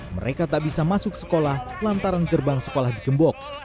mereka tak bisa masuk sekolah lantaran gerbang sekolah digembok